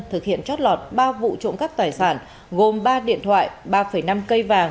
thực hiện trót lọt ba vụ trộm cắp tài sản gồm ba điện thoại ba năm cây vàng